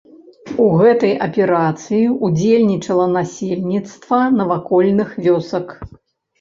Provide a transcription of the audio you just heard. У гэтай аперацыі удзельнічала насельніцтва навакольных вёсак.